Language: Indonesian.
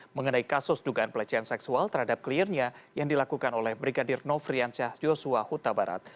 mengenai kasus dugaan pelecehan seksual terhadap kliennya yang dilakukan oleh brigadir nofriansyah joshua huta barat